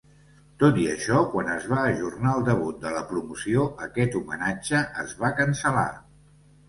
Tot i això, quan es va ajornar el debut de la promoció, aquest homenatge es va cancel·lar.